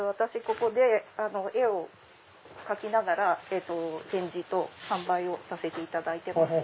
ここで絵を描きながら展示と販売をさせていただいてます。